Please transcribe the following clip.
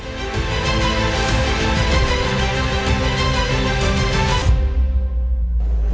pembangunan dan kemampuan jakarta